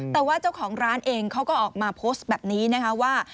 แต่ว่าเจ้าของร้านเองเขาก็ออกมาโพสต์แบบนี้นะคะว่า